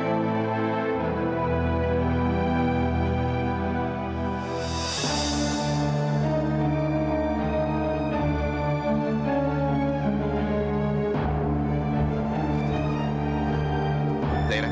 rupanya tidak terobos